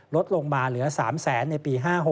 ลดลงมาเหลือ๓แสนในปี๕๖